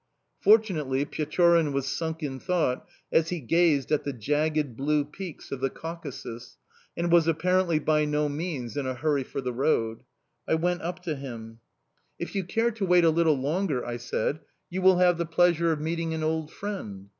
Fortunately Pechorin was sunk in thought as he gazed at the jagged, blue peaks of the Caucasus, and was apparently by no means in a hurry for the road. I went up to him. "If you care to wait a little longer," I said, "you will have the pleasure of meeting an old friend."